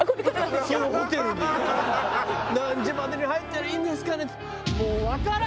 「何時までに入ったらいいんですかね？」。